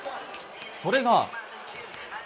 それが。